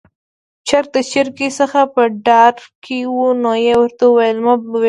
چرګ د چرګې څخه په ډار کې وو، نو يې ورته وويل: 'مه وېرېږه'.